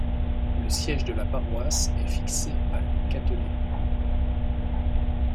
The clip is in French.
Le siège de la paroisse est fixé à Le Catelet.